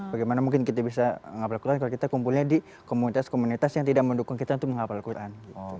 bagaimana mungkin kita bisa menghafal quran kalau kita kumpulnya di komunitas komunitas yang tidak mendukung kita untuk menghafal quran